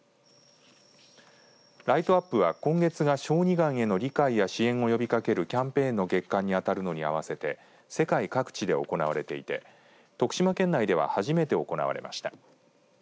ライトアップは今月が小児がんへの理解や支援を呼びかけるキャンペーンの月間に当たるのに合わせて世界各地で行われていて徳島県内では初めて行われました。